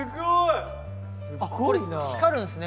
すごい！これ光るんですね！